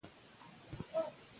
شعر موزون او مخیل کلام دی.